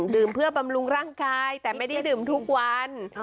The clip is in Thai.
เพื่อบำรุงร่างกายแต่ไม่ได้ดื่มทุกวัน